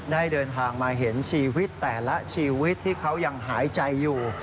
ได้เดินทางมาเห็นชีวิตแต่ละชีวิตที่เขายังหายใจอยู่